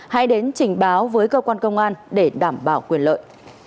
hãy đến trình báo với cơ quan công an để đảm bảo quyền lợi